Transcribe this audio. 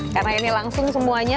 karena ini langsung semuanya